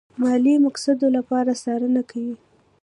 ماليې مقاصدو لپاره څارنه کوي.